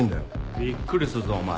びっくりするぞお前。